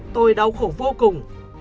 tôi đau khổ vô cùng